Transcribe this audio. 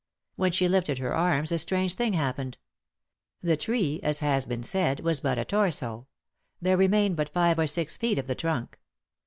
When she lifted her arms a strange thing happened. The tree, as has been said, was but a torso. There remained but five or six feet of the trunk.